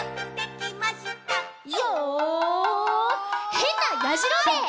「へんなやじろべえ」